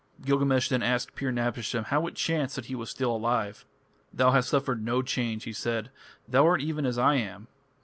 Gilgamesh then asked Pir napishtim how it chanced that he was still alive. "Thou hast suffered no change," he said, "thou art even as I am.